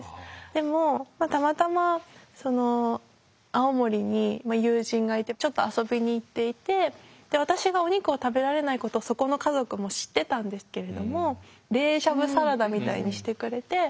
でもたまたま青森に友人がいてちょっと遊びに行っていて私がお肉を食べられないことそこの家族も知ってたんですけれども冷しゃぶサラダみたいにしてくれて。